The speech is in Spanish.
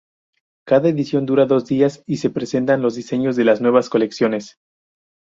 Cada edición dura dos días y se presentan los diseños de las nuevas colecciones.